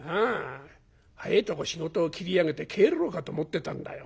早えとこ仕事を切り上げて帰ろうかと思ってたんだよ。